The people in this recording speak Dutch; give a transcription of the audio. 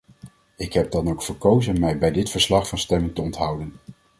Ik heb dan ook verkozen mij bij dit verslag van stemming te onthouden.